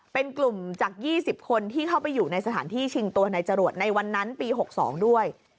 เป็นกลุ่มจาก๒๐คนที่เข้าไปอยู่ในสถานที่ชิงตัวในจรวดในวันนั้นปี๖๒ด้วย